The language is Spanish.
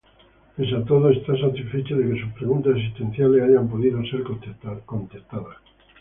Pese a todo, está satisfecho de que sus preguntas existenciales hayan podido ser contestadas.